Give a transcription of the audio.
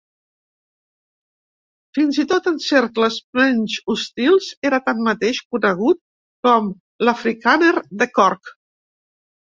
Fins i tot en cercles menys hostils, era tanmateix conegut com "l'afrikàner de Cork".